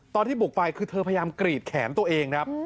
ตอนที่บุกไปคือเธอพยายามกรีดแขนตัวเองครับ